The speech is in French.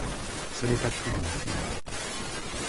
Ce n’est pas tout, ma fille.